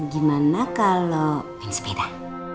gimana kalau main sepeda